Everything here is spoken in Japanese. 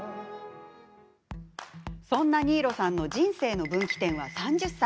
そんな新納さんの人生の分岐点は３０歳。